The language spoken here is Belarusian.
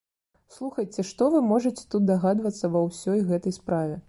Слухайце, што вы можаце тут дагадвацца ва ўсёй гэтай справе?